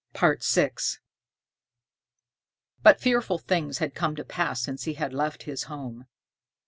VI But fearful things had come to pass since he had left his home!